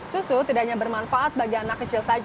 susu tidak hanya bermanfaat bagi anak kecil saja